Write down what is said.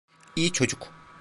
İyi çocuk.